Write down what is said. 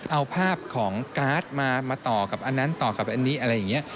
เอาภาพของการ์ดมาต่อกับอันนั้นต่อกับอันนี้อะไรอย่างนี้